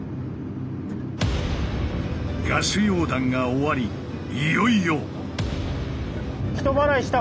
ガス溶断が終わりいよいよ。